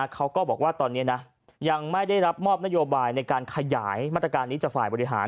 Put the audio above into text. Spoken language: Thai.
เขาก็บอกว่าตอนนี้นะยังไม่ได้รับมอบนโยบายในการขยายมาตรการนี้จากฝ่ายบริหาร